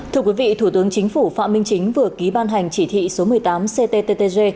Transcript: thưa quý vị thủ tướng chính phủ phạm minh chính vừa ký ban hành chỉ thị số một mươi tám cttg